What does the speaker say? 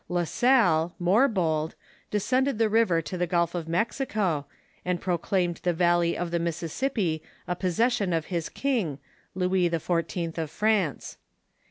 La Salle, more bold, descended the river to the Gulf of Mexico, and proclaimed the valley of the Mississippi a possession of his king, Louis XIV. of France.